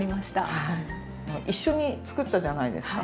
一緒に作ったじゃないですか。